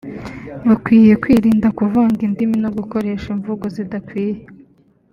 bakwiye kwirinda kuvanga indimi no gukoresha imvugo zidakwiye